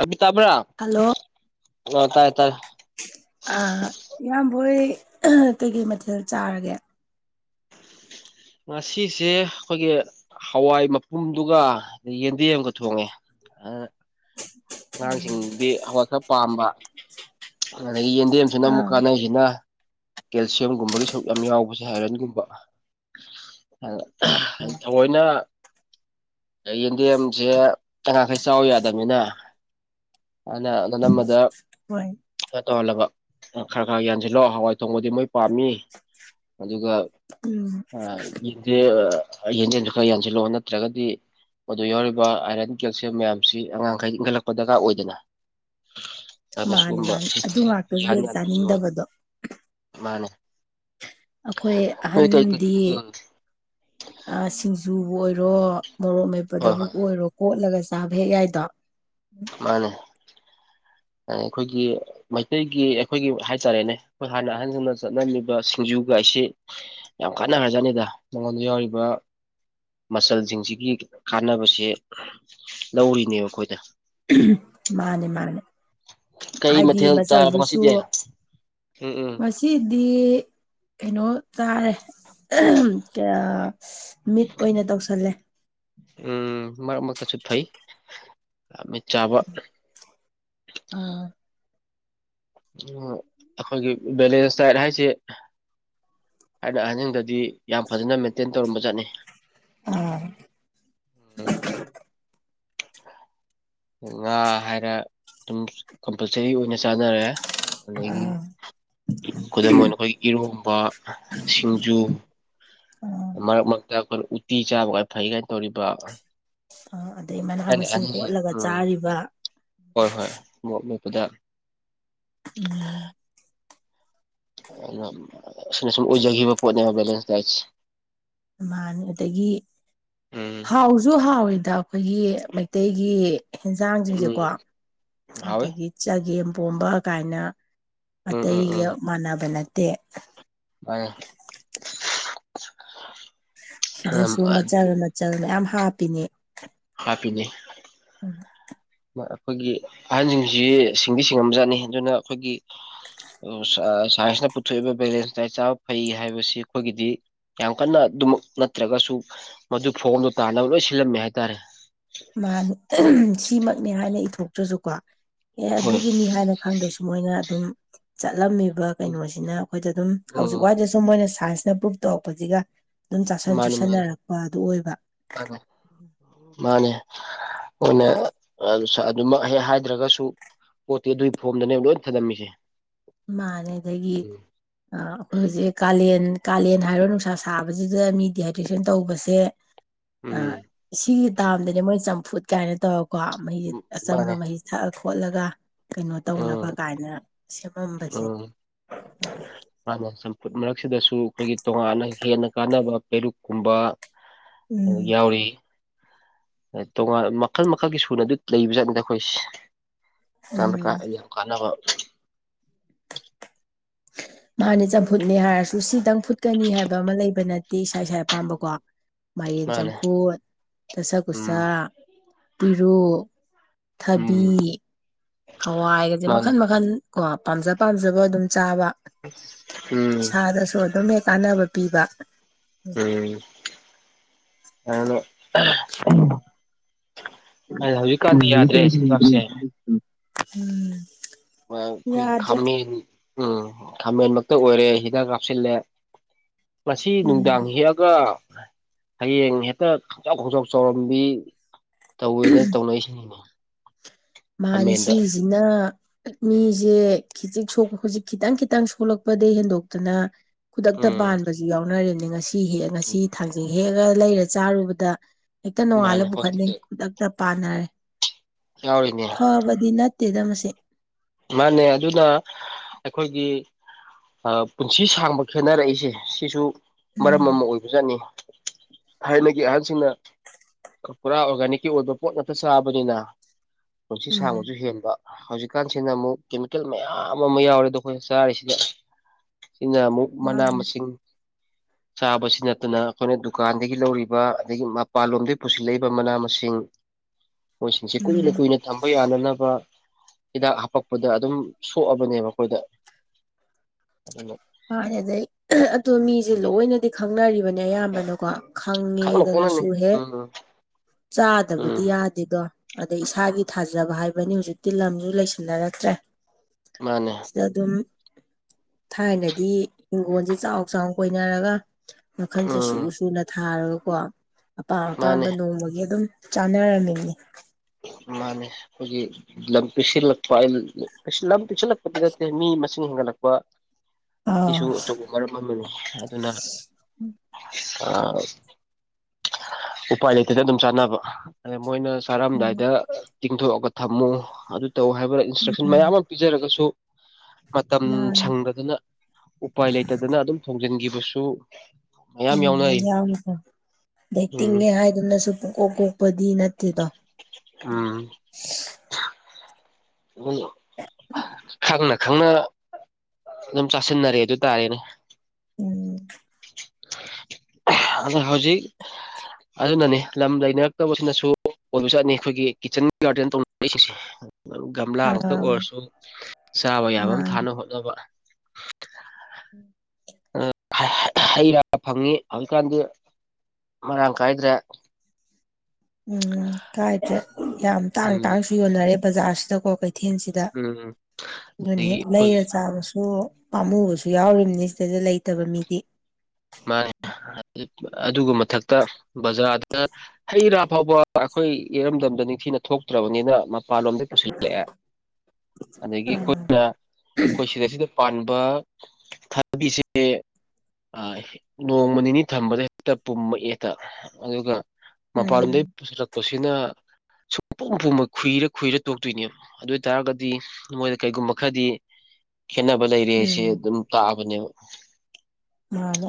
ꯑ ꯇꯥꯕ꯭ꯔꯥ ꯍꯜꯂꯣ ꯑ ꯇꯥꯏ ꯇꯥꯏ ꯑꯥ ꯏꯌꯥꯝꯕ ꯍꯣꯏ ꯀꯩꯀꯩ ꯃꯊꯦꯜ ꯆꯥꯔꯒꯦ ꯉꯁꯦ ꯑꯩꯈꯣꯏꯒꯤ ꯍꯋꯥꯏ ꯃꯄꯨꯝꯗꯨꯒ ꯌꯦꯟꯗꯦꯝ ꯑꯃꯒ ꯊꯣꯡꯉꯦ [unintelligible] ꯑꯉꯥꯡꯁꯤꯡꯗꯤ ꯍꯧꯋꯥꯠ ꯈꯔ ꯄꯥꯝꯕ ꯑꯗꯒꯤ ꯌꯦꯟꯗꯦꯝꯁꯤꯅ ꯑꯃꯨꯛ ꯑꯥ ꯀꯥꯟꯅꯩꯁꯤꯅ ꯀꯦꯜꯁꯤꯌꯝꯒꯨꯝꯕꯒꯤ ꯁꯔꯨꯛ ꯌꯥꯝ ꯌꯥꯎꯕꯁꯦ ꯏꯥꯏꯔꯟꯒꯨꯝꯕ ꯊꯑꯣꯏꯅ ꯌꯦꯟꯗꯦꯝꯁꯦ ꯑꯉꯡꯈꯩ ꯆꯥꯎ ꯌꯥꯗꯕꯅꯤꯅ ꯑꯅꯥ ꯅꯥꯅꯝꯃꯥꯗ ꯍꯣꯏ ꯈꯥ ꯇꯧꯍꯜꯂꯕ ꯈꯔ ꯈꯔ ꯌꯥꯟꯁꯤꯜꯂꯣ ꯍꯋꯥꯏ ꯊꯣꯡꯕꯗꯤ ꯃꯣꯏ ꯄꯥꯝꯃꯤ ꯑꯗꯨꯒ ꯎꯝ ꯑꯥ ꯌꯦꯟꯗꯦ ꯌꯦꯟꯗꯦꯝꯖꯨ ꯈꯔ ꯌꯥꯟꯁꯤꯜꯂꯛꯑꯣ ꯅꯠꯇ꯭ꯔꯥꯒꯗꯤ ꯑꯣꯗꯥ ꯌꯥꯎꯔꯤꯕ ꯑꯥꯏꯔꯟ ꯀꯦꯜꯁꯤꯌꯝ ꯃꯌꯥꯝꯁꯤ ꯑꯉꯥꯡꯈꯩ ꯏꯠꯂꯛ [unintelligible] ꯗꯔꯀꯥꯔ ꯑꯣꯏꯗꯅ ꯑꯗꯨꯅ ꯃꯥꯅꯦ ꯁꯤꯒꯨꯝꯕ ꯃꯥꯅꯦ ꯑꯗꯨ ꯉꯥꯛꯇꯁꯨ ꯌꯥꯟ ꯍꯦꯛ ꯌꯥꯟ ꯄꯤꯖꯧ ꯆꯥꯅꯤꯡꯗꯕꯗꯣ ꯑꯈꯣꯏ ꯅꯣꯏ ꯀꯩ ꯀꯩ ꯑꯍꯟꯗꯤ ꯎꯝ ꯑꯥ ꯁꯤꯡꯖꯨꯕꯨ ꯑꯣꯏꯔꯣ ꯃꯣꯔꯣꯛ ꯍꯣꯏ ꯃꯦꯄꯗꯕꯨ ꯍꯣꯏ ꯑꯣꯏꯔꯣ ꯀꯣꯠꯂꯒ ꯆꯥꯕ ꯍꯦꯛ ꯌꯥꯏꯗꯣ ꯃꯥꯅꯦ ꯑꯥ ꯑꯩꯈꯣꯏꯒꯤ ꯃꯩꯇꯩꯒꯤ ꯑꯩꯈꯣꯏꯒꯤ ꯍꯥꯏꯇꯥꯔꯦꯅꯦ ꯑꯩꯈꯣꯏ ꯍꯥꯟꯅ ꯑꯍꯟꯖꯤꯡꯅ ꯆꯠꯅꯃꯤꯕ ꯁꯤꯡꯖꯨꯒꯥꯏꯁꯤ ꯌꯥꯝ ꯀꯥꯟꯅ ꯒ꯭ꯔꯥꯖꯥꯠꯅꯤꯗ ꯃꯉꯣꯟꯗ ꯌꯥꯎꯔꯤꯕ ꯃꯆꯜꯖꯤꯡꯁꯤꯒꯤ ꯀꯥꯟꯅꯕꯁꯦ ꯂꯧꯔꯤꯅꯦꯕ ꯑꯩꯈꯣꯏꯗ ꯎꯝ ꯃꯥꯅꯦ ꯃꯥꯅꯦ ꯀꯩ ꯍꯥꯏꯗꯤ ꯃꯊꯦꯜ ꯆꯥꯔꯕ ꯃꯆꯜꯗꯨꯁꯨ ꯉꯁꯤꯗꯤ ꯎꯝ ꯎꯝ ꯉꯁꯤꯗꯤ ꯀꯩꯅꯣ ꯇꯥꯔꯦ ꯑꯥꯍꯝ ꯃꯤꯠ ꯑꯣꯏꯅ ꯇꯧꯁꯜꯂꯦ ꯎꯝ ꯃꯔꯛ ꯃꯔꯛꯇꯥꯁꯨ ꯐꯩ ꯑꯥ ꯃꯤꯠ ꯆꯥꯕ ꯑꯥ ꯎꯝ ꯑꯈꯣꯏꯒꯤ ꯕꯦꯂꯦꯟꯁ ꯗꯥꯏꯠ ꯍꯥꯏꯁꯦ ꯊꯥꯏꯅ ꯑꯍꯟꯖꯤꯡꯗꯥꯗꯤ ꯌꯥꯝ ꯐꯖꯅ ꯃꯦꯟꯇꯦꯟ ꯇꯧꯔꯝꯕ ꯖꯥꯠꯅꯤ ꯑꯥꯝ ꯉꯥ ꯍꯥꯏꯔ ꯇꯨꯝꯁ ꯀꯝꯄꯜꯁꯔꯤ ꯑꯣꯏꯅ ꯆꯥꯅꯔꯦ ꯑꯗꯒꯤ ꯑꯥ ꯈꯨꯗꯝ ꯑꯣꯏꯅ ꯑꯈꯣꯏꯒꯤ ꯏꯔꯣꯝꯕ ꯁꯤꯡꯖꯨ ꯎꯝ ꯃꯔꯛ ꯃꯔꯛꯇꯥ ꯑꯈꯣꯏꯅ ꯎꯇꯤ ꯆꯥꯕꯒ ꯐꯩ ꯀꯥꯏꯅ ꯇꯧꯔꯤꯕ ꯑꯥ ꯑꯗꯩ ꯃꯅꯥ ꯊꯥꯏꯅ ꯃꯁꯤꯡ ꯑꯍꯟꯁꯦ ꯀꯣꯠꯂꯒ ꯎꯝ ꯆꯥꯔꯤꯕ ꯍꯣꯏ ꯍꯣꯏ ꯃꯣꯔꯣꯛ ꯃꯦꯠꯄꯗ ꯎꯝ ꯑꯗꯨꯅ ꯑꯁꯤꯅ ꯁꯨꯝ ꯑꯣꯏꯖꯒꯤꯕ ꯄꯣꯠꯅꯦꯕ ꯕꯦꯂꯦꯟꯁ ꯗꯥꯏꯠꯁꯦ ꯃꯥꯅꯤ ꯑꯗꯒꯤ ꯎꯝ ꯍꯥꯎꯖꯨ ꯍꯥꯎꯋꯤꯗ ꯑꯈꯣꯏꯒꯤ ꯃꯩꯇꯩꯒꯤ ꯍꯦꯟꯖꯥꯡꯖꯤꯡꯖꯦꯀꯣ ꯎꯝ ꯍꯥꯎꯋꯤ ꯑꯗꯒꯤ ꯆꯒꯦꯝꯄꯣꯝꯕ ꯀꯥꯏꯅ ꯎꯝ ꯎꯝ ꯎꯝ ꯑꯇꯩꯒ ꯃꯥꯟꯅꯕ ꯅꯠꯇꯦ ꯃꯥꯅꯦ [inaudible] ꯁꯤꯗꯁꯨ ꯃꯆꯜ ꯃꯆꯜ ꯃꯌꯥꯝ ꯍꯥꯞꯄꯤꯅꯦ ꯍꯥꯄꯤꯅꯤ ꯎꯝ ꯃꯥ ꯑꯩꯈꯣꯏꯒꯤ ꯑꯍꯟꯖꯤꯡꯁꯤ ꯁꯤꯡꯗꯤ ꯁꯤꯡꯉꯝꯖꯥꯠꯅꯤ ꯑꯗꯨꯅ ꯑꯈꯣꯏꯒꯤ [unintelligible] ꯁꯥꯏꯟꯁꯅ ꯄꯨꯊꯣꯛꯏꯕ ꯕꯦꯂꯦꯟꯁ ꯗꯥꯏꯠ ꯆꯥꯕ ꯐꯩ ꯍꯥꯏꯕꯁꯤ ꯑꯩꯈꯣꯏꯒꯤꯗꯤ ꯌꯥꯝ ꯀꯟꯅ ꯑꯗꯨꯃꯛ ꯅꯠꯇ꯭ꯔꯥꯒꯁꯨ ꯃꯗꯨ ꯐꯣꯝꯗꯣ ꯇꯥꯅꯕ ꯂꯣꯏ ꯁꯤꯜꯂꯝꯃꯦ ꯍꯥꯏꯇꯥꯔꯦ ꯃꯥꯅꯤ ꯑꯍꯝ ꯁꯤꯃꯛꯅꯦ ꯍꯥꯏꯅ ꯏꯊꯣꯛꯇ꯭ꯔꯥꯖꯨꯀꯣ ꯑꯦ ꯍꯣꯏ ꯑꯗꯨꯒꯤꯅꯤ ꯍꯥꯏꯅ ꯈꯥꯡꯗ꯭ꯔꯥꯁꯨ ꯃꯣꯏꯅ ꯑꯗꯨꯝ ꯆꯠꯂꯝꯃꯤꯕ ꯀꯩꯅꯣꯁꯤꯅ ꯑꯩꯈꯣꯏꯗ ꯑꯗꯨꯝ ꯍꯧꯖꯤꯛ ꯎꯝ ꯋꯥꯏꯗꯁꯨ ꯁꯨꯝ ꯃꯣꯏꯅ ꯁꯥꯏꯟꯁꯅ ꯄ꯭ꯔꯨꯚ ꯇꯧꯔꯛꯄꯖꯤꯒ ꯑꯗꯨꯝ ꯆꯥꯁꯟ ꯃꯥꯅꯤ ꯃꯥꯅꯤ ꯆꯨꯁꯟꯅꯔꯛꯄ ꯑꯗꯨ ꯑꯣꯏꯕ ꯃꯥꯅꯦ ꯃꯥꯅꯦ ꯍꯥ ꯑꯣꯅꯦ [unintelligible] ꯑꯗꯨꯃꯛ ꯍꯦꯛ ꯍꯥꯏꯗ꯭ꯔꯒꯁꯨ ꯄꯣꯠꯇꯤ ꯑꯗꯨꯏ ꯐꯣꯝꯗꯅꯦ ꯂꯣꯏ ꯊꯟꯅꯝꯃꯤꯁꯤ ꯃꯥꯅꯦ ꯑꯗꯒꯤ ꯑꯥ ꯍꯧꯖꯤꯛ ꯀꯥꯂꯦꯟ ꯀꯥꯂꯦꯟ ꯍꯥꯏꯔꯣ ꯅꯨꯡꯁꯥ ꯁꯥꯕꯁꯤꯗ ꯃꯤ ꯗꯤꯍꯥꯏꯗ꯭ꯔꯦꯁꯟ ꯇꯧꯕꯁꯦ [inaudible] ꯑꯥ ꯎꯝ ꯁꯤꯒꯤ ꯇꯥꯝꯗꯅꯦ ꯃꯣꯏ ꯆꯝꯐꯨꯠ ꯀꯥꯏꯅ ꯇꯧꯔꯀꯣ ꯃꯍꯤ ꯑꯆꯝꯕ ꯃꯥꯅꯦ ꯃꯍꯤ ꯊꯛꯑꯥ ꯈꯣꯠꯂꯒ ꯀꯩꯅꯣ ꯇꯧꯅꯕ ꯎꯝ ꯀꯥꯏꯅ ꯁꯦꯝꯃꯝꯕꯁꯦ ꯎꯝ [inaudible] ꯃꯥꯟꯅꯦ ꯆꯝꯐꯨꯠ ꯃꯔꯛꯁꯤꯗꯁꯨ ꯑꯩꯈꯣꯏꯒꯤ ꯇꯣꯉꯥꯟꯅ ꯍꯦꯟꯅ ꯀꯥꯟꯅꯕ ꯄꯦꯔꯨꯛꯀꯨꯝꯕ ꯎꯝ ꯌꯥꯎꯔꯤ ꯇꯣꯉꯥꯟ ꯃꯈꯜ ꯃꯈꯜꯒꯤ ꯁꯨꯅ ꯑꯗꯨ ꯂꯩꯕ ꯆꯠꯅꯤꯗ ꯑꯩꯈꯣꯏꯁ ꯀꯟꯅꯥ ꯎꯝ ꯀꯥ ꯌꯥꯝ ꯀꯥꯟꯅꯅꯕ [inaudible] ꯃꯥꯅꯦ ꯆꯝꯐꯨꯠꯅꯦ ꯍꯥꯏꯔꯁꯨ ꯁꯤꯗꯪ ꯐꯨꯠꯀꯅꯤ ꯍꯥꯏꯕ ꯑꯃ ꯂꯩꯕ ꯅꯠꯇꯦ ꯏꯁꯥ ꯏꯁꯥ ꯑꯄꯥꯥꯝꯕꯀꯣ ꯃꯥꯏꯔꯦꯟ ꯃꯥꯅꯦ ꯆꯝꯐꯨꯠ ꯗꯥꯁꯥꯀꯨꯁ ꯎꯝ ꯄꯤꯔꯨꯛ ꯊꯕꯤ ꯎꯝ ꯍꯋꯥꯏꯒꯗꯤ ꯃꯥꯅꯦ ꯃꯈꯟ ꯃꯈꯟ ꯀꯣ ꯄꯥꯝꯖ ꯄꯥꯝꯖꯕ ꯑꯗꯨꯝ ꯆꯥꯕ ꯎꯝ ꯏꯁꯥꯗꯁꯨ ꯑꯗꯨꯝ ꯍꯦꯛ ꯀꯥꯟꯅꯕ ꯄꯤꯕ ꯎꯝ [unintelligible] ꯑꯩꯅ ꯍꯧꯖꯤꯛꯀꯥꯟꯗꯤ ꯌꯥꯗ꯭ꯔꯦ ꯆꯤꯟꯖꯥꯛꯁꯦ [unintelligible] ꯃꯡ ꯑꯩꯈꯣꯏ ꯌꯥꯗ꯭ꯔꯦ ꯈꯥꯃꯦꯟ ꯎꯝ ꯈꯥꯃꯦꯟ ꯃꯛꯇ ꯑꯣꯏꯔꯦ ꯍꯤꯗꯥꯛ ꯀꯥꯞꯁꯤꯜꯂꯦ ꯉꯁꯤ ꯎꯝ ꯅꯨꯡꯗꯥꯡ ꯍꯦꯛꯑꯒ ꯍꯌꯦꯡ ꯍꯦꯛꯇ ꯈꯣꯡꯆꯥꯎ ꯈꯣꯡꯆꯥꯎ ꯆꯥꯎꯔꯝꯕꯤ ꯇꯧꯋꯦꯅ ꯇꯧꯅꯔꯤꯁꯤ ꯃꯥꯅꯦ ꯁꯤꯁꯤꯅ ꯎꯝ ꯃꯤꯁꯦ ꯈꯤꯖꯤꯛ ꯁꯣꯛꯄ ꯍꯧꯖꯤꯛ ꯈꯤꯇꯪ ꯈꯤꯇꯪ ꯁꯣꯛꯂꯛꯄꯗꯒꯤ ꯍꯦꯟꯗꯣꯛꯇꯅ ꯈꯨꯗꯛꯇ ꯎꯝ ꯄꯥꯟꯕꯁꯨ ꯌꯥꯎꯅꯔꯅꯦ ꯉꯁꯤ ꯍꯦꯛ ꯉꯁꯤ ꯊꯥꯡꯖꯤꯡ ꯍꯦꯛꯑꯒ ꯂꯩꯔ ꯆꯥꯔꯨꯕꯗ ꯍꯦꯛꯇ ꯅꯣꯡꯉꯥꯜꯂ ꯃꯥꯅꯦ ꯄꯨꯈꯠꯅꯩ ꯍꯣꯁꯄꯤꯇꯥꯜ ꯈꯨꯗꯛꯇ ꯄꯥꯟꯅꯔꯦ ꯌꯥꯎꯔꯤꯅꯦ ꯐꯕꯗꯤ ꯅꯠꯇꯦꯗ ꯃꯁꯦ ꯃꯥꯅꯦ ꯑꯗꯨꯅ ꯑꯩꯈꯣꯏꯒꯤ ꯑꯥ ꯄꯨꯟꯁꯤ ꯁꯥꯡꯕ ꯈꯦꯠꯅꯔꯛꯏꯁꯦ ꯁꯤꯁꯨ ꯃꯔꯝ ꯎꯝ ꯑꯃ ꯑꯣꯏꯕ ꯖꯥꯠꯅꯤ ꯊꯥꯏꯅꯒꯤ ꯑꯍꯥꯡꯁꯤꯡꯅ ꯄꯨꯔꯥ ꯑꯣꯔꯒꯥꯅꯤꯛꯀꯤ ꯑꯣꯏꯕ ꯄꯣꯠ ꯉꯥꯛꯇ ꯆꯥꯕꯅꯤꯅ ꯄꯨꯟꯁꯤ ꯎꯝ ꯁꯥꯡꯕꯁꯨ ꯍꯦꯟꯕ ꯍꯧꯖꯤꯛꯀꯥꯟꯁꯤ ꯁꯤꯅ ꯑꯃꯨꯛ ꯀꯦꯃꯤꯀꯦꯜ ꯃꯌꯥꯝ ꯑꯃ ꯌꯥꯎꯔꯦ ꯑꯗꯣ ꯑꯩꯈꯣꯏꯅ ꯆꯥꯔꯤꯁꯤꯗ ꯁꯤꯅ ꯑꯃꯨꯛ ꯃꯅꯥ ꯃꯥꯅꯦ ꯃꯁꯤꯡ [inaudible] ꯆꯥꯕꯁꯤ ꯅꯠꯇꯅ ꯑꯩꯈꯣꯏꯅ ꯗꯨꯀꯥꯟꯗꯒꯤ ꯂꯧꯔꯤꯕ ꯑꯗꯒꯤ ꯃꯄꯥꯟꯂꯣꯝꯗꯒꯤ ꯄꯨꯁꯤꯜꯂꯛꯏꯕ ꯃꯅꯥ ꯃꯁꯤꯡ ꯃꯣꯏꯁꯤꯡꯁꯦ ꯀꯨꯏꯅ ꯎꯝ ꯀꯨꯏꯅ ꯊꯝꯕ ꯌꯥꯅꯅꯕ ꯍꯤꯗꯥꯛ ꯍꯥꯞꯄꯛꯄꯗ ꯑꯗꯨꯝ ꯁꯣꯛꯑꯕꯅꯦꯕ ꯑꯩꯈꯣꯏꯗ ꯑꯗꯨꯅ ꯃꯥꯟꯅꯦ ꯑꯗꯩ ꯑꯗꯣ ꯃꯤꯁꯦ ꯂꯣꯏꯅꯗꯤ ꯈꯪꯅꯔꯤꯕꯅꯦ ꯑꯌꯥꯝꯕꯅꯀꯣ ꯈꯪꯅ ꯈꯪꯅꯅꯤ ꯈꯪꯉꯦꯗꯅꯁꯨ ꯍꯦꯛ ꯎꯝ ꯆꯥꯗꯕꯗꯤ ꯎꯝ ꯌꯥꯗꯦꯗꯣ ꯑꯗꯩ ꯏꯁꯥꯒꯤ ꯊꯥꯖꯕ ꯍꯥꯏꯕꯅꯤ ꯍꯧꯖꯤꯛꯇꯤ ꯂꯝꯁꯨ ꯂꯩꯁꯤꯟꯅꯔꯛꯇ꯭ꯔꯦ ꯃꯥꯅꯦ ꯁꯤꯗ ꯑꯗꯨꯝ ꯊꯥꯏꯅꯗꯤ ꯍꯤꯡꯒꯣꯟꯁꯦ ꯆꯥꯎ ꯆꯥꯎ ꯀꯣꯏꯅꯔꯒ ꯃꯈꯜꯁꯦ ꯁꯨ ꯎꯝ ꯁꯨꯅ ꯊꯥꯔꯒꯀꯣ ꯑꯄꯥꯝ ꯃꯥꯅꯦ ꯑꯄꯥꯝꯕ ꯅꯣꯡꯃꯒꯤ ꯑꯗꯨꯝ ꯆꯥꯟꯅ ꯔꯝꯃꯤꯅꯤ ꯃꯥꯅꯦ ꯈꯣꯏꯒꯤ ꯂꯝ ꯄꯤꯁꯤꯜꯂꯛꯄ ꯂꯝ ꯄꯁꯤꯜꯂꯛꯄꯗ ꯅꯠꯇꯦ ꯃꯤ ꯃꯁꯤꯡ ꯍꯦꯟꯒꯠꯂꯛꯄ ꯑꯥ ꯁꯤꯁꯨ ꯑꯆꯧꯕ ꯃꯔꯝ ꯑꯃꯅꯤ ꯑꯗꯨꯅ ꯑꯥ ꯎꯄꯥꯏ ꯂꯩꯇꯗꯅ ꯑꯗꯨꯝ ꯆꯥꯅꯕ ꯑꯗ ꯃꯣꯏꯅ ꯆꯥꯔꯝꯗꯥꯏꯗ ꯇꯤꯡꯊꯣꯛꯑꯒ ꯊꯝꯃꯨ ꯑꯗꯨ ꯇꯧ ꯍꯥꯏꯕꯗ ꯏꯟꯁꯇ꯭ꯔꯛꯁꯟ ꯃꯌꯥꯝ ꯎꯝ ꯑꯃ ꯄꯤꯖꯔꯒꯁꯨ ꯃꯇꯝ ꯃꯥꯅꯦ ꯁꯪꯗꯗꯅ ꯎꯄꯥꯏ ꯂꯩꯇꯗꯅ ꯑꯗꯨꯝ ꯊꯣꯡꯖꯤꯟꯒꯤꯕꯁꯨ ꯎꯝ ꯌꯥꯎꯔꯤ [unintelligible] ꯗꯩꯩꯏ ꯎꯝ ꯇꯤꯡꯉꯦ ꯍꯥꯏꯗꯨꯅꯁꯨ ꯄꯨꯡ ꯀꯣꯛ ꯀꯣꯛꯄꯗꯤ ꯅꯠꯇꯦꯗꯣ ꯎꯝ [unintelligible] ꯈꯪꯅ ꯈꯪꯅ ꯑꯗꯨꯝ ꯆꯥꯁꯤꯟꯅꯔꯦ ꯑꯗꯨ ꯇꯥꯔꯦꯅꯦ ꯎꯝ ꯑꯗꯨꯅ ꯍꯧꯖꯤꯛ ꯑꯗꯨꯅꯅꯤ ꯂꯝ ꯂꯩꯅꯔꯛꯇꯕꯁꯤꯅꯁꯨ ꯑꯣꯏꯕ ꯆꯠꯅꯤ ꯑꯩꯈꯣꯏꯒꯤ ꯀꯤꯠꯆꯟ ꯒꯥꯔꯗꯦꯟ ꯇꯧꯅꯔꯛꯏꯁꯤꯡꯁꯦ [unintelligible] ꯒꯝꯂꯥ ꯉꯥꯛꯇ ꯑꯥ ꯑꯣꯏꯔꯁꯨ ꯆꯥꯕ ꯌꯥꯕ ꯑꯃ ꯃꯥꯅꯦ ꯊꯥꯅ ꯍꯣꯠꯅꯕ [unintelligible] ꯍꯩ ꯔꯥ ꯐꯪꯉꯤ ꯍꯧꯖꯤꯛꯀꯥꯟꯗꯤ ꯃꯔꯥꯡ ꯀꯥꯏꯗ꯭ꯔꯦ ꯎꯝ ꯀꯥꯏꯗ꯭ꯔꯦ ꯌꯥꯝ ꯇꯥꯡ ꯎꯝ ꯇꯥꯡꯁꯨ ꯌꯣꯟꯅꯔꯦ ꯕꯖꯥꯔꯁꯤꯗꯀꯣ ꯀꯩꯊꯦꯜꯁꯤꯗ ꯎꯝ ꯑꯗꯨꯅ ꯍꯦꯛ ꯑꯗꯒꯤ ꯂꯩꯔ ꯑꯩꯈꯣꯏꯒꯤ ꯆꯥꯕꯁꯨ ꯄꯥꯝꯃꯨꯕꯁꯨ ꯌꯥꯎꯔꯤꯕꯝꯅꯤ ꯁꯤꯗꯩꯗ ꯂꯩꯇꯕ ꯃꯤꯗꯤ ꯃꯥꯅꯤ ꯑꯗꯨꯒ ꯃꯊꯛꯇ ꯕꯖꯥꯔꯗ ꯍꯩ ꯔꯥ ꯐꯥꯎꯕ ꯑꯩꯈꯣꯏ ꯏꯔꯝꯗꯝꯗ ꯅꯤꯡꯊꯤꯅ ꯊꯣꯛꯇ꯭ꯔꯕꯅꯤꯅ ꯃꯄꯥꯟꯂꯣꯝꯗꯩ ꯄꯨꯁꯤꯜꯂꯛꯑꯦ ꯑꯗꯒꯤ ꯎꯝ ꯑꯩꯈꯣꯏꯅ ꯑꯩꯈꯣꯏ ꯁꯤꯗꯩꯁꯤꯗ ꯄꯥꯟꯕ ꯊꯥꯕꯤꯁꯦ ꯅꯣꯡꯃ ꯅꯤꯅꯤ ꯊꯝꯕꯗ ꯍꯦꯛꯇ ꯄꯨꯝꯃꯛꯑꯦꯛꯇ ꯑꯗꯨꯒ ꯃꯄꯥꯂꯣꯝꯗꯩ ꯄꯨꯁꯤꯜꯂꯛꯄꯁꯤꯅ ꯁꯨꯡ ꯄꯨꯝ ꯄꯨꯝꯃꯣꯢ ꯈꯨꯨꯏꯔ ꯈꯨꯨꯏꯔ ꯇꯣꯛꯇꯣꯏꯅꯦꯕ ꯑꯗꯨ ꯑꯣꯏꯇꯥꯔꯒꯗꯤ ꯃꯣꯏꯗ ꯀꯩꯒꯨꯝꯕ ꯈꯔꯗꯤ ꯈꯦꯅꯕ ꯂꯩꯔꯦꯁꯦ ꯎꯝ ꯑꯗꯨꯝ ꯇꯥꯕꯅꯦꯕ ꯃꯥꯅꯦ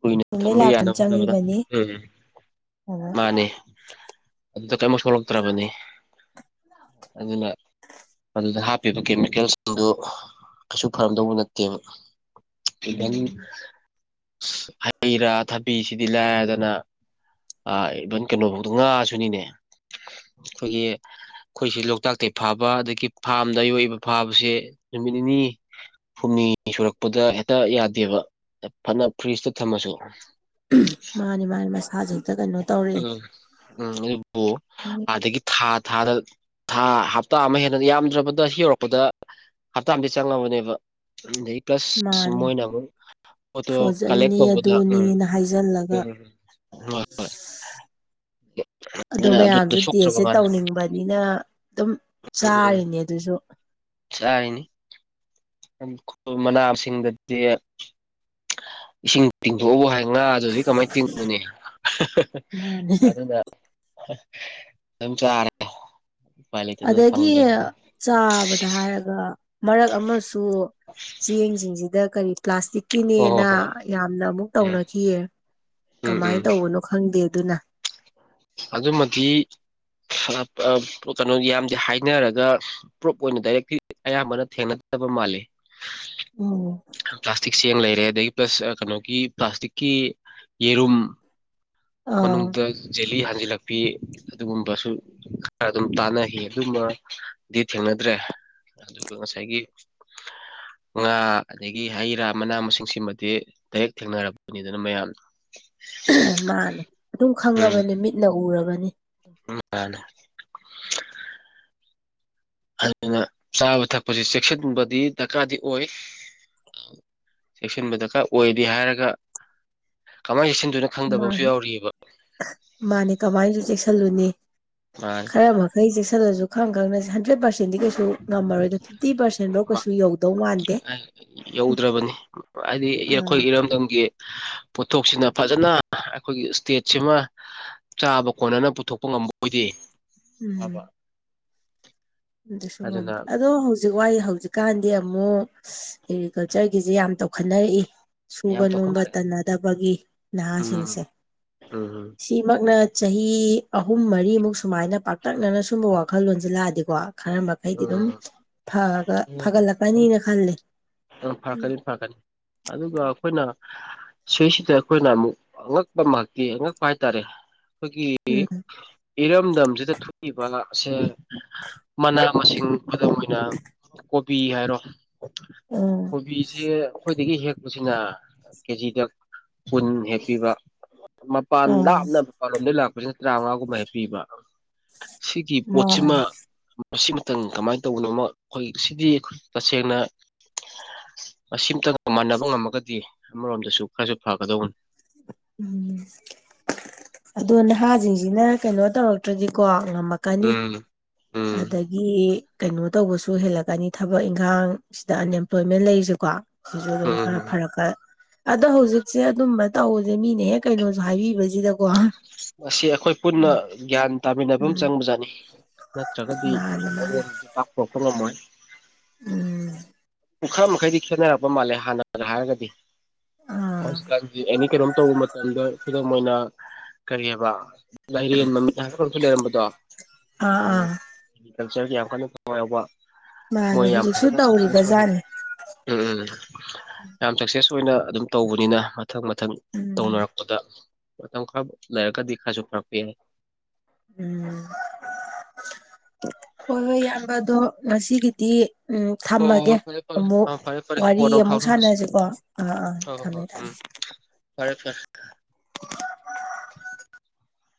ꯀꯨꯏꯅ ꯊꯝꯕ ꯂꯥꯛꯀ [unintelligible] ꯌꯥꯅꯕ ꯍꯣꯠꯅꯕꯗ ꯆꯪꯉꯤꯕꯅꯤ ꯎꯝ ꯃꯥꯅꯦ [unintelligible] ꯑꯗꯨꯗ ꯀꯔꯤꯝꯃ ꯁꯣꯛꯂꯛꯇ꯭ꯔꯕꯅꯤ ꯑꯗꯨꯅ ꯃꯗꯨꯗ ꯍꯥꯞꯄꯤꯕ ꯀꯦꯃꯤꯀꯦꯜꯁꯤꯡꯗꯨ ꯀꯩꯁꯨ ꯐꯔꯝꯗꯧꯕ ꯅꯠꯇꯦꯕ ꯏꯚꯟ ꯎꯝ ꯍꯩ ꯔꯥ ꯊꯕꯤꯁꯤꯗꯤ ꯂꯥꯏꯔꯗꯅ ꯏꯚꯟ ꯀꯩꯅꯣꯐꯧꯗ ꯉꯥꯁꯨꯅꯤꯅꯦ ꯑꯩꯈꯣꯏꯒꯤ ꯑꯩꯈꯣꯏꯁꯦ ꯂꯣꯛꯇꯥꯛꯇꯩꯒꯤ ꯐꯥꯕ ꯑꯗꯒꯤ ꯐꯥꯝꯗ ꯑ ꯌꯣꯛꯏꯕ ꯐꯥꯕꯁꯦ ꯅꯨꯃꯤꯠ ꯅꯤꯅꯤ ꯍꯨꯝꯅꯤ ꯁꯨꯔꯛꯄꯗ ꯍꯦꯛꯇ ꯌꯥꯗꯦꯕ ꯐꯅ ꯐ꯭ꯔꯤꯖꯇ ꯊꯝꯃꯁꯨ ꯃꯥꯅꯤ ꯃꯥꯅꯤ ꯃꯁꯥꯥꯖꯦ ꯍꯦꯛꯇ ꯀꯩꯅꯣ ꯇꯧꯔꯛꯑꯦ ꯎꯝ ꯎꯝ ꯑꯗꯨꯕꯨ ꯑꯥꯗꯥꯒꯤ ꯊꯥ ꯊꯥꯗ ꯊꯥ ꯍꯞꯇꯥ ꯑꯃ ꯍꯦꯟꯅ ꯌꯥꯝꯗ꯭ꯔꯕꯗ ꯁꯤ ꯌꯧꯔꯛꯄꯗ ꯍꯞꯇꯥ ꯑꯃꯗꯤ ꯆꯪꯂꯕꯅꯦꯕ ꯑꯗꯩ ꯄ꯭ꯂꯁ ꯃꯥꯅꯤ ꯃꯣꯏꯅ ꯑꯃꯨꯛ ꯐꯣꯇꯣ ꯀꯂꯦꯛ ꯐ꯭ꯔꯣꯖꯟꯅꯤ ꯇꯧꯕꯗ ꯎꯝ ꯑꯗꯨꯅꯤꯅ ꯍꯥꯏꯖꯜꯂꯒ ꯎꯝ ꯍꯣꯏ ꯍꯣꯏ [unintelligible] ꯑꯗꯣ ꯃꯌꯥꯝꯖꯦ ꯇꯦꯁꯁꯦ ꯇꯧꯅꯤꯡꯕꯅꯤꯅ ꯑꯗꯨꯝ ꯎꯝ ꯆꯥꯔꯤꯅꯦ ꯑꯗꯨꯁꯨ ꯆꯥꯔꯤꯅꯤ [unintelligible] ꯃꯅꯥ ꯃꯁꯤꯡꯗꯗꯤ ꯏꯁꯤꯡ ꯇꯤꯡꯊꯣꯎꯕꯨ ꯍꯥꯏ ꯉꯥ ꯗꯨꯗꯤ ꯀꯃꯥꯏ ꯇꯤꯡꯉꯨꯅꯤ ꯃꯥꯅꯦ ꯑꯗꯨꯅ ꯑꯗꯨꯝ ꯆꯥꯔꯦ ꯎꯄꯥꯏ ꯂꯩꯇꯗꯅ ꯑꯗꯨꯝ ꯑꯗꯒꯤ ꯐꯪꯗ꯭ꯔꯝꯅꯤꯅ ꯆꯥꯕꯗ ꯍꯥꯏꯔꯒ ꯃꯔꯛ ꯑꯃꯁꯨ ꯆꯦꯡꯖꯤꯡꯖꯤꯗ ꯀꯔꯤ ꯍꯣꯏ ꯍꯣꯏ ꯄ꯭ꯂꯥꯁꯇꯤꯛꯀꯤꯅꯦꯅꯥ ꯍꯣꯏ ꯌꯥꯝꯅ ꯑꯃꯨꯛ ꯎꯝ ꯇꯧꯅꯈꯤꯌꯦ ꯎꯝ ꯀꯃꯥꯏ ꯎꯝ ꯇꯧꯕ ꯅ‌ꯣ ꯈꯪꯗꯦ ꯑꯗꯨꯅ ꯑꯗꯨꯃꯗꯤ ꯐ ꯑꯥ ꯀꯩꯅꯣ ꯌꯥꯝꯗꯤ ꯍꯥꯏꯅꯔꯒ ꯄ꯭ꯔꯨꯞ ꯑꯣꯏꯅ ꯗꯥꯏꯔꯦꯛꯗꯤ ꯑꯌꯥꯝꯕꯅ ꯊꯦꯡꯅꯗꯕ ꯃꯥꯜꯂ‌ꯦ ꯎꯝ ꯄ꯭ꯂꯥꯁꯇꯤꯛ ꯆ‌ꯦꯡ ꯂꯩꯔꯦ ꯑꯗꯩ ꯄ꯭ꯂꯁ ꯑꯥ ꯀꯩꯅꯣꯒꯤ ꯄ꯭ꯂꯥꯁꯇꯤꯛꯀꯤ ꯌꯦꯔꯨꯝ ꯑꯥ ꯃꯅꯨꯡꯗ ꯖꯦꯂꯤ ꯍꯟꯖꯤꯜꯂꯛꯄꯤ ꯑꯗꯨꯒꯨꯝꯕꯁꯨ ꯈꯔ ꯑꯗꯨꯝ ꯇꯥꯟꯅꯈꯤ ꯑꯗꯨ ꯃꯗꯤ ꯊꯦꯡꯅꯗ꯭ꯔꯦ ꯑꯗꯨꯒ ꯉꯁꯥꯏꯒꯤ ꯉꯥ ꯑꯗꯒꯤ ꯍꯩ ꯔꯥ ꯃꯅꯥ ꯃꯁꯤꯡꯁꯤꯃꯗꯤ ꯗꯩꯔ‌ꯦꯛ ꯊꯦꯡꯅꯔꯕꯅꯤꯗꯅ ꯃꯌꯥꯝꯅꯥ ꯃꯥꯅꯦ ꯑꯗꯨꯝ ꯈꯪꯉꯕꯅ‌ꯦ ꯃꯤꯠꯅ ꯎꯔꯕꯅꯤ ꯎꯝ ꯃꯥꯅꯦ ꯑꯗꯨꯅ ꯆꯥꯕ ꯊꯛꯄꯁꯤ ꯆꯦꯛꯁꯤꯟꯕꯗꯤ ꯗꯔꯀꯥꯔꯗꯤ ꯑꯣꯏ ꯆꯦꯛꯁꯤꯟꯕ ꯗꯔꯀꯥꯔ ꯑꯣꯏꯗꯤ ꯍꯥꯏꯔꯒ ꯀꯃꯥꯏ ꯆꯦꯛꯁꯤꯟꯗꯨꯅꯣ ꯈꯪꯗꯕ ꯃꯥꯅꯦ ꯑꯝꯁꯨ ꯌꯥꯎꯔꯤꯑꯕꯥ ꯃꯥꯅꯦ ꯀꯃꯥꯏꯁꯨ ꯆꯦꯛꯁꯜꯂꯨꯅꯤ ꯈꯔ ꯃꯛ ꯈꯩ ꯆꯦꯛꯁꯤꯜꯂꯖꯨ ꯈꯪ ꯈꯪꯅꯁꯦ ꯍꯟꯗ꯭ꯔꯦꯠ ꯄꯥꯔꯁꯦꯟꯗꯤ ꯀꯩꯁꯨ ꯉꯝꯃꯔꯣꯏꯗ ꯐꯤꯞꯇꯤ ꯄꯥꯔꯁꯦꯟꯐꯧ ꯀꯩꯁꯨ ꯌꯧꯗꯧ ꯃꯥꯟꯗꯦ ꯑꯥ ꯌꯧꯗ꯭ꯔꯕꯅꯤ ꯍꯥꯏꯗꯤ ꯑꯥ ꯑꯩꯈꯣꯏ ꯏꯔꯝꯗꯝꯒꯤ ꯄꯣꯠꯊꯣꯛꯁꯤꯅ ꯐꯖꯅ ꯑꯩꯈꯣꯏꯒꯤ ꯏꯁꯇꯦꯠꯁꯤꯃꯥ ꯆꯥꯕ ꯀꯣꯟꯅꯅ ꯄꯨꯊꯣꯛꯄ ꯉꯝꯕ ꯑꯣꯏꯗꯤ ꯎꯝ ꯐꯕ꯫ ꯑꯗꯨꯁꯨ ꯑꯗꯨꯅ ꯉꯝꯗ‌ꯦ ꯑꯗꯣ ꯍꯧ ꯍꯧꯖꯤꯛ ꯋꯥꯏ ꯍꯧꯖꯤꯛꯀꯥꯟꯗꯤ ꯑꯃꯨꯛ ꯑꯦꯒ꯭ꯔꯤꯀꯜꯆꯔꯒꯤꯖꯤ ꯌꯥꯝ ꯇꯧꯈꯠꯅꯔꯛꯏ꯫ ꯁꯨꯕ ꯌꯥꯝ ꯅꯣꯝꯕ ꯇꯧꯈꯠꯅꯔꯦ ꯇꯟꯅꯗꯕꯒꯤ ꯎꯝ ꯅꯍꯥꯁꯤꯡꯁꯦ ꯎꯝ ꯁꯤ ꯏꯃꯛꯅ ꯆꯍꯤ ꯑꯍꯨꯝ ꯃꯔꯤꯃꯨꯛ ꯁꯨꯃꯥꯏꯅ ꯄꯥꯛꯇꯛꯅꯅ ꯁꯨꯝꯕ ꯋꯥꯈꯜꯂꯣꯟꯖ‌ꯦ ꯂꯥꯛꯑꯗꯤꯀꯣ ꯈꯔ ꯃꯈꯩꯗꯤ ꯑꯗꯨꯝ ꯐꯒ ꯐꯒꯠꯂꯛꯀꯅꯤꯅ ꯈꯜꯂꯤ ꯎꯝ꯫ ꯐꯔꯀꯅꯤ꯫ ꯑꯗꯨꯒ ꯑꯈꯣꯏꯅꯥ ꯁꯤꯁꯩꯗ ꯑꯩꯈꯣꯏꯅ ꯑꯃꯨꯛ ꯑꯉꯛꯄ ꯃꯀꯤ ꯑꯉꯛꯄ ꯍꯥꯏꯇꯥꯔꯦ ꯑꯩꯈꯣꯏꯒꯤ ꯒꯤ ꯎꯝ ꯏꯔꯝꯗꯝꯁꯤꯗ ꯊꯣꯛꯏꯕ ꯑꯁꯦ ꯃꯅꯥ ꯃꯁꯤꯡ ꯈꯨꯗꯝ ꯑꯣꯏꯅ ꯀꯣꯕꯤ ꯍꯥꯏꯔꯣ ꯎꯝ ꯀꯣꯕꯤꯁꯦ ꯑꯩꯈꯣꯏ ꯗꯒꯤ ꯍꯦꯛꯄꯁꯤꯅ ꯀꯦꯖꯤꯗ ꯀꯨꯟ ꯍꯦꯛ ꯄꯤꯕ ꯃꯄꯥꯟ ꯎꯝ ꯂꯥꯞꯅ ꯃꯄꯥꯟꯂꯣꯝꯗꯩ ꯂꯥꯛꯄꯁꯤꯅ ꯇ꯭ꯔꯥꯉꯥꯒꯨꯝꯕ ꯍꯦꯛ ꯄꯤꯕ ꯁꯤꯒꯤ ꯄꯣꯠꯁꯤꯃ ꯃꯥꯅꯤ ꯃꯁꯤꯃꯇꯪ ꯀꯃꯥꯏ ꯇꯧꯕꯅꯣꯃ ꯑꯩꯈꯣꯏ ꯁꯤꯗꯤ ꯈꯣꯏ ꯇꯁꯦꯡꯅ ꯃꯁꯤꯝꯇ ꯃꯥꯟꯅꯕ ꯉꯝꯃꯒꯗꯤ ꯑꯃꯔꯣꯝꯗꯁꯨ ꯈꯔꯁꯨ ꯐꯒꯗꯧꯕꯟ꯫ ꯎꯝ ꯑꯗꯣ ꯅꯍꯥꯁꯤꯡꯖꯤꯅ ꯀꯩꯅꯣ ꯇꯧꯔꯛꯇ꯭ꯔꯗꯤꯀꯣ ꯉꯝꯃꯛ ꯎꯝ꯫ ꯎꯝ ꯑꯗꯒꯤ ꯀꯩꯅꯣ ꯇꯧꯕꯁꯨ ꯍꯦꯜꯂꯛꯀꯅꯤ ꯊꯕꯛ ꯏꯪꯈꯥꯡ ꯁꯤꯗ ꯑꯟꯑꯦꯝꯄ꯭ꯂꯣꯏꯃꯦꯟ ꯂꯩꯁꯦꯀꯣ ꯁꯤꯁꯨ ꯑꯗꯨꯝ ꯎꯝ ꯈꯔ ꯎꯝ ꯐꯔꯛꯀ ꯑꯗꯣ ꯍꯧꯖꯤꯛꯁꯦ ꯑꯗꯨꯝꯕ ꯇꯧꯕꯖ‌ꯦ ꯃꯤꯅ ꯍꯦꯛ ꯀꯩꯅꯣꯖꯨ ꯍꯥꯏꯕꯤꯕꯁꯤꯗꯀꯣ ꯃꯁꯤ ꯑꯩꯈꯣꯏ ꯄꯨꯟꯅ ꯎꯝ ꯒ꯭ꯌꯥꯟ ꯇꯥꯃꯤꯟꯅꯕ ꯑꯃ ꯎꯝ ꯆꯪꯕꯖꯥꯠꯅꯤ ꯅꯠꯇ꯭ꯔꯒꯗꯤ ꯃꯥꯅꯦ ꯃꯥꯅꯦ ꯑꯋꯣꯟꯕꯁꯦ ꯄꯥꯛ ꯄꯨꯔꯛꯄ ꯉꯝꯃꯣꯏ꯫ ꯎꯝ꯫ ꯄꯨꯈꯔ ꯃꯈꯩꯗꯤ ꯈꯦꯠꯅꯔꯛꯄ ꯃꯥꯜꯂꯦ ꯍꯥꯟꯅ ꯍꯥꯏꯔꯒꯗꯤ꯫ ꯑꯥ ꯍꯧꯖꯤꯛꯀꯥꯟꯗꯤ ꯑꯦꯅꯤ ꯀꯩꯅꯣꯝ ꯇꯧꯕ ꯃꯇꯝꯗ ꯈꯨꯗꯝ ꯑꯣꯏꯅ__ ꯀꯔꯤ ꯍꯥꯏꯕ ꯂꯥꯏꯔꯦꯟ ꯃꯃꯤꯠ ꯍꯥꯏꯕ ꯀꯩꯅꯣꯃꯁꯨ ꯂꯩꯔꯝꯕꯗꯣ ꯑꯥ ꯎꯝ__ ꯑꯥ ꯑꯦꯒ꯭ꯔꯤꯀꯜꯆꯔꯒꯤ ꯌꯥꯝ ꯀꯟꯅ ꯊꯋꯥꯏ ꯌꯥꯎꯕ ꯃꯥꯅꯦ ꯃꯣꯏ ꯌꯥꯝ ꯍꯧꯖꯤꯛꯁꯨ ꯐꯖꯅ ꯁꯛꯁꯦꯁ ꯑꯣꯏꯅ__ ꯇꯧꯔꯤꯕꯖꯥꯠꯅꯤ ꯎꯝ ꯌꯥꯝ ꯁꯛꯁꯦꯁ ꯑꯣꯏꯅ ꯑꯗꯨꯝ ꯇꯧꯕꯅꯤꯅ ꯃꯊꯪ ꯃꯊꯪ ꯎꯝ ꯇꯧꯅꯔꯛꯄ__ ꯄꯗ ꯃꯇꯝ ꯈꯔ ꯂꯔꯒꯗꯤ ꯈꯔꯁꯨ ꯐꯔꯛꯄ ꯌꯥꯏ꯫ ꯎꯝ ꯍꯣꯏ ꯍꯣꯏ ꯢꯌꯥꯝꯕꯗꯣ ꯉꯁꯤꯒꯤꯗꯤ__ ꯎꯝ ꯍꯣꯏ ꯊꯝꯃꯒꯦ ꯍꯣꯏ ꯍꯣꯏ ꯐꯔꯦ ꯐꯔꯦ ꯑꯃꯨꯛ ꯑ ꯐꯔꯦ ꯐꯔꯦ ꯋꯥꯔꯤ ꯀꯣꯟꯅ ꯑꯃꯨꯛ ꯐꯥꯎꯅꯔꯁꯤ ꯁꯥꯟꯅꯁꯤꯀꯣ ꯑꯥ ꯑꯥ ꯍꯣꯏ ꯍꯣꯏ ꯍꯣꯏ ꯊꯝꯃꯦ ꯎꯝ ꯊꯝꯃꯦ꯫ ꯐꯔꯦ ꯐꯔꯦ꯫